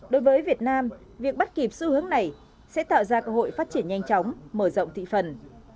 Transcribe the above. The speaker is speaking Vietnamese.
đối với việt nam việc bắt kịp xu hướng này sẽ tạo ra cơ hội phát triển nhanh chóng mở rộng thị phần